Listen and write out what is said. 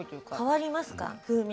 変わりますか風味が？